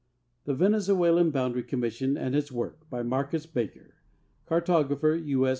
7 8 THE VENEZUELAN BOUNDARY COMMISSION AND ITS WORK By Marcus Baker Carhxjmpher, U. S.